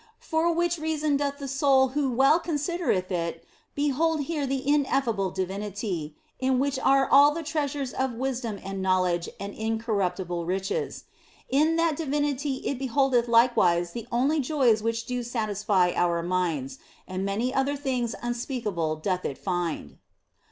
For which reason doth the soul who well considereth it behold here the ineffable divinity, in which are all the treasures of wisdom and knowledge and incorruptible riches. In that divinity it beholdeth likewise the only joys which do satisfy our minds, and many other things unspeakable doth it find.